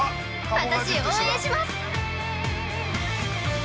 ◆私応援します！